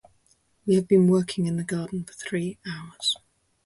We have been working in the garden for three hours.